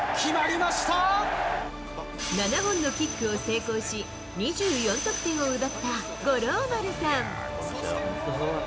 ７本のキックを成功し、２４得点を奪った五郎丸さん。